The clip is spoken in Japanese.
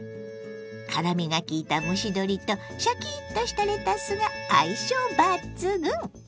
辛みがきいた蒸し鶏とシャキッとしたレタスが相性抜群！